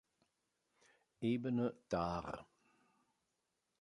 Ebene dar.